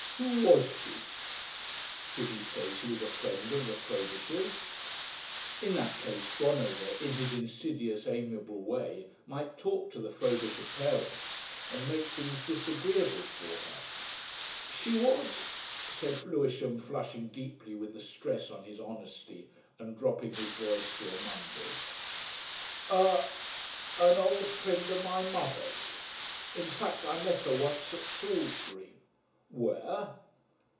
Who was she?" Should he say she was a friend of the Frobishers? In that case Bonover, in his insidious amiable way, might talk to the Frobisher parents and make things disagreeable for her. "She was," said Lewisham, flushing deeply with the stress on his honesty and dropping his voice to a mumble, "a ... a ... an old friend of my mother's. In fact, I met her once at Salisbury." "Where?"